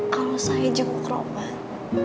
kalau saya jenguk roman